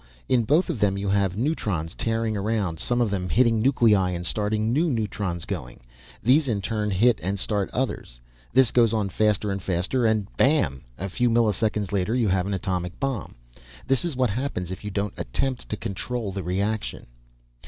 In both of them you have neutrons tearing around, some of them hitting nuclei and starting new neutrons going. These in turn hit and start others. This goes on faster and faster and bam, a few milliseconds later you have an atomic bomb. This is what happens if you don't attempt to control the reaction.